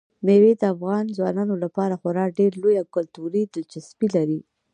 مېوې د افغان ځوانانو لپاره خورا ډېره لویه کلتوري دلچسپي لري.